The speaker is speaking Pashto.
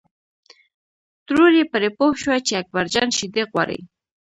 ترور یې پرې پوه شوه چې اکبر جان شیدې غواړي.